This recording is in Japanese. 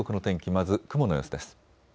まず雲の様子です。